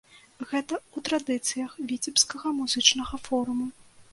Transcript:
Гэта ў традыцыях віцебскага музычнага форуму.